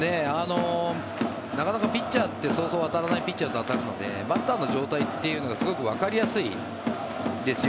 なかなかピッチャーってそうそう当たらないピッチャーと当たるのでバッターの状態というのがすごくわかりやすいんですよ。